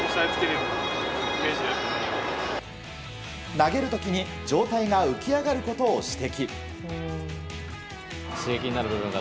投げる時に上体が浮き上がることを指摘。